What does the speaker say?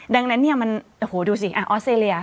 ดังนั้นเนี่ยมันโอ้โหดูสิออสเตรเลีย